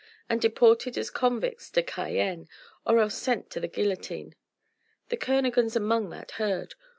and deported as convicts to Cayenne, or else sent to the guillotine. The Kernogans among that herd!